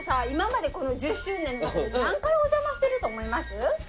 今までこの１０周年の中で何回お邪魔してると思います？